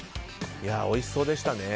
おいしそうでしたね。